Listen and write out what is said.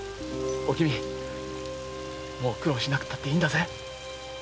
おきみもう苦労しなくていいんだぜ。